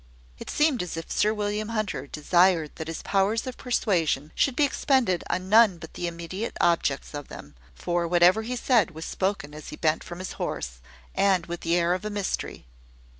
It seemed as if Sir William Hunter desired that his powers of persuasion should be expended on none but the immediate objects of them: for whatever he said was spoken as he bent from his horse, and with the air of a mystery.